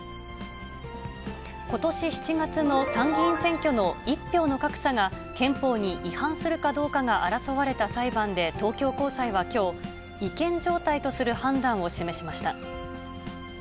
ことし７月の参議院選挙の１票の格差が、憲法に違反するかどうかが争われた裁判で東京高裁はきょう、違憲状態とする判断を示しました。